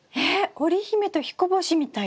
織姫と彦星みたいですね。